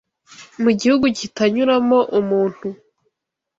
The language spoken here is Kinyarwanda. mu gihugu kitanyuramo umuntu